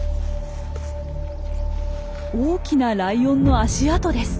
大きなライオンの足跡です。